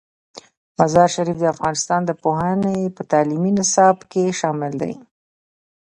مزارشریف د افغانستان د پوهنې په تعلیمي نصاب کې شامل دی.